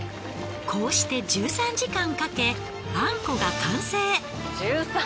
こうして１３時間かけあんこが完成！